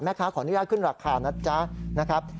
แม่ค้าขออนุญาตขึ้นราคานะจ๊ะ